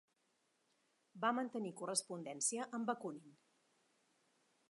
Va mantenir correspondència amb Bakunin.